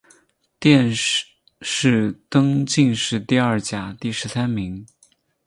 殿试登进士第二甲第十三名。